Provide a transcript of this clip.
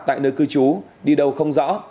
tại nơi cư trú đi đâu không rõ